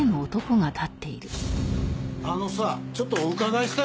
あのさちょっとお伺いしたい事が。